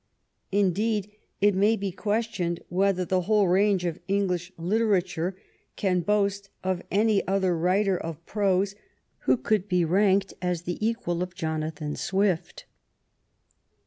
Indeed, it may be questioned whether the whole range of English literature can boast of any other writer of prose who could be ranked as the equal of Jonathan Swift.